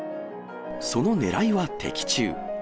そのねらいは的中。